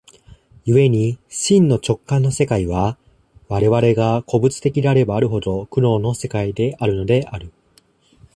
故に真の直観の世界は、我々が個物的であればあるほど、苦悩の世界であるのである。